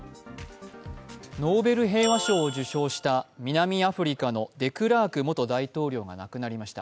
ノーベル平和賞を受章した南アフリカのデクラーク元大統領が亡くなりました。